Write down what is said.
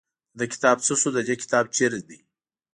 د ده کتاب څه شو د دې کتاب چېرته دی.